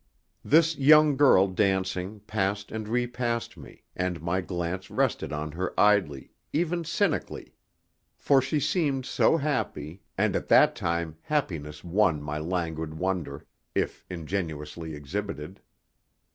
This young girl dancing passed and repassed me, and my glance rested on her idly, even cynically. For she seemed so happy, and at that time happiness won my languid wonder, if ingenuously exhibited.